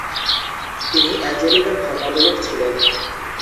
তিনি অ্যাঞ্জেলিকান ধর্মাবলম্বী ছিলেন।